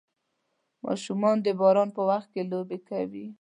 ماشومان د باران په وخت کې لوبې کوي.